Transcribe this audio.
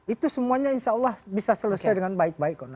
itu semuanya insya allah bisa selesai dengan baik baik